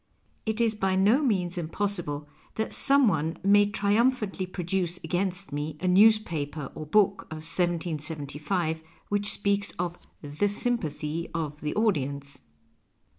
It is by no means impossible that some one may triumphantly produce against me a newspaper or book of 1775 which speaks of " the sympathy of the audience."